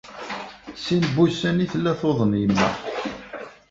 Sin n wussan i tella tuḍen yemma.